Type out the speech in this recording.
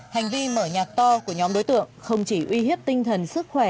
hành vi mở nhạc to của nhóm đối tượng không chỉ uy hiếp tinh thần sức khỏe